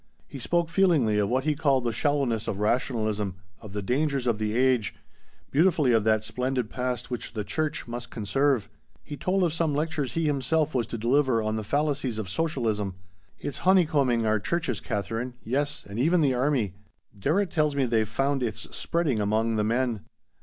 He spoke feelingly of what he called the shallowness of rationalism, of the dangers of the age, beautifully of that splendid past which the church must conserve. He told of some lectures he himself was to deliver on the fallacies of socialism. "It's honeycombing our churches, Katherine yes, and even the army. Darrett tells me they've found it's spreading among the men.